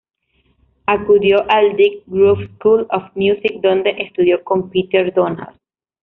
Acudió al Dick Grove School of Music, donde estudió con Peter Donald.